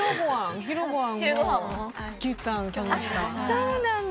そうなんだ。